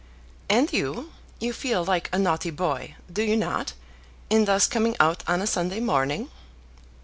"And you, you feel like a naughty boy, do you not, in thus coming out on a Sunday morning?"